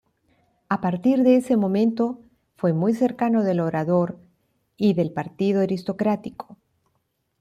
A partir de ese momento fue muy cercano del orador y del partido aristocrático.